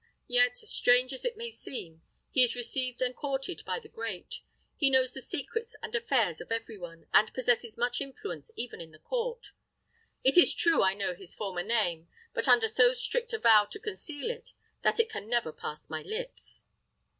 Yet, strange as it may seem, he is received and courted by the great; he knows the secrets and affairs of every one, and possesses much influence even in the court. It is true I know his former name, but under so strict a vow to conceal it that it can never pass my lips."